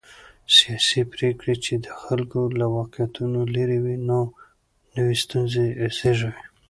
سیاسي پرېکړې چې د خلکو له واقعيتونو لرې وي، نوې ستونزې زېږوي.